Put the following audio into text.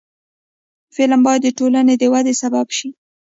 فلم باید د ټولنې د ودې سبب شي